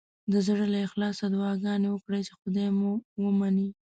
د زړه له اخلاصه دعاګانې وکړئ چې خدای مو ومني.